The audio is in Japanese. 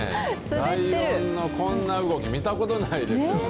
ライオンのこんな動き見たことないですよね。